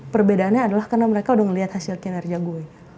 perbedaannya adalah karena mereka udah ngelihat hasil kinerja gue